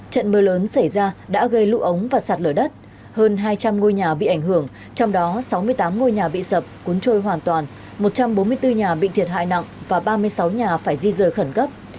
trận mưa lớn xảy ra đã gây lũ ống và sạt lở đất hơn hai trăm linh ngôi nhà bị ảnh hưởng trong đó sáu mươi tám ngôi nhà bị sập cuốn trôi hoàn toàn một trăm bốn mươi bốn nhà bị thiệt hại nặng và ba mươi sáu nhà phải di rời khẩn cấp